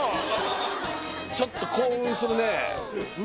ちょっと興奮するね